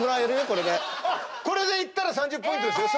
これでいったら３０ポイントですよ。